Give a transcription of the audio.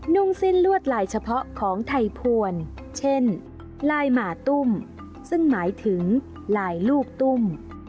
่งสิ้นลวดลายเฉพาะของไทยพวนเช่นลายหมาตุ้มซึ่งหมายถึงลายลูกตุ้ม